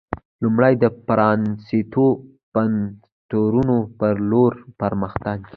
لومړی د پرانېستو بنسټونو په لور پر مخ تګ